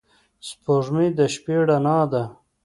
• سپوږمۍ د شپې رڼا ده.